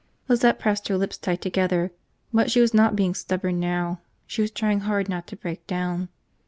Lizette pressed her lips tight together. But she was not being stubborn now, she was trying hard not to break down.